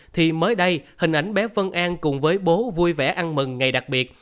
thì mới đây hình ảnh bé phân an cùng với bố vui vẻ ăn mừng ngày đặc biệt